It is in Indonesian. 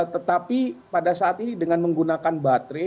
tetapi pada saat ini dengan menggunakan baterai